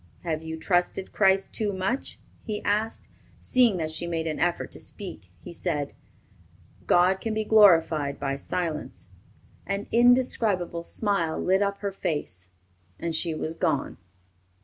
"Have you trusted Christ too much?" he asked. Seeing that she made an effort to speak, he said, "God can be glorified by silence." An indescribable smile lit up her face, and she was gone.